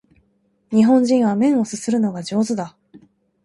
日本人は麺を啜るのが上手だ